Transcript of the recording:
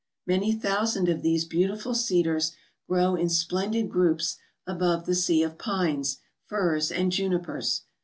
Many thousand of these beautiful cedars grow in splendid groups above tlie sea of pines, firs, and junipers.